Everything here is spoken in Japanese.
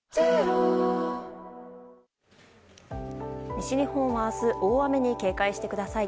西日本は明日大雨に警戒してください。